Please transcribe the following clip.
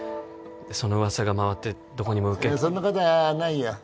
その噂が回ってどこにもそんなことはないよ